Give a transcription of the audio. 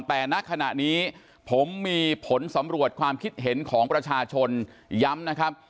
แต่ณขณะนี้ผมมีผลสำรวจความคิดเห็นของประชาชนย้ำนะครับ